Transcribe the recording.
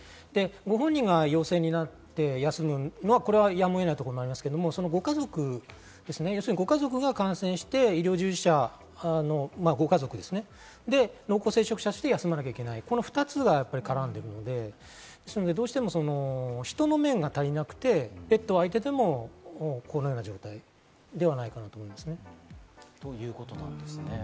ご本人が陽性になって休むのはやむを得ないところもありますが、ご家族が感染して医療従事者のご家族ですね、濃厚接触者として休まなきゃいけない、この２つが絡んでいるので、どうしても人の面が足りなくてベッドは空いていても、このような状態ではないかなと思います。